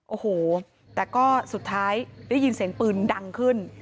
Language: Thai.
โอ้โหแต่ก็สุดท้ายได้ยินเสียงปืนดังขึ้น